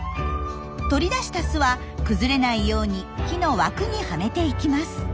取り出した巣は崩れないように木の枠にはめていきます。